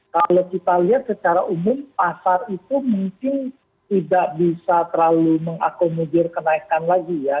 kalau kita lihat secara umum pasar itu mungkin tidak bisa terlalu mengakomodir kenaikan lagi ya